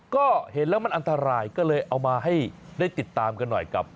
ก็เห็นแล้วมันอันตรายก็เลยเอามาให้ได้ติดตามกันหน่อยกับ